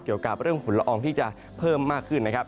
เกี่ยวกับเรื่องฝุ่นละอองที่จะเพิ่มมากขึ้นนะครับ